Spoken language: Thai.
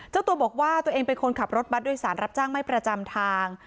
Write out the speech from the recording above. เจ้าตัวบอกว่าตัวเองเป็นคนขับรถบัตรโดยสารรับจ้างไม่ประจำทาง